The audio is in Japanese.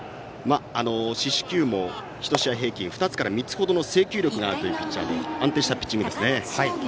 四死球も１試合平均２つから３つの制球力があるというピッチャーで安定したピッチングですね。